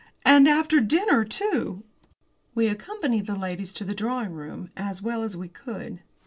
"And after dinner, too!" We accompanied the ladies to the drawing room, as well as we could.